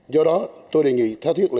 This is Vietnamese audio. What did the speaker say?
do đó tôi đề nghị tha thiết lợi